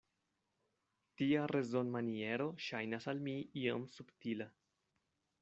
Tia rezonmaniero ŝajnas al mi iom subtila.